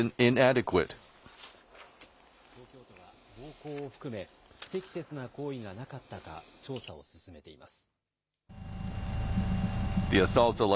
東京都は暴行を含め、不適切な行為がなかったか、調査を進めています。